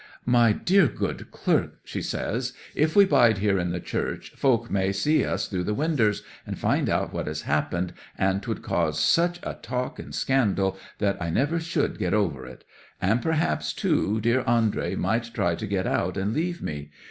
'"My dear good clerk," she says, "if we bide here in the church, folk may see us through the winders, and find out what has happened; and 'twould cause such a talk and scandal that I never should get over it: and perhaps, too, dear Andrey might try to get out and leave me!